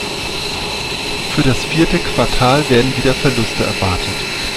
Für das vierte Quartal werden wieder Verluste erwartet.